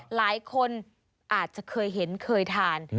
หลายคนอาจจะเคยเห็นเคยทาน